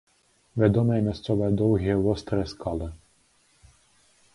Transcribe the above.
Вядомыя мясцовыя доўгія вострыя скалы.